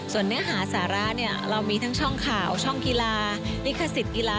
ส่วนเนื้อหาสาระเนี่ยเรามีทั้งช่องข่าวช่องกีฬาลิขสิทธิ์กีฬา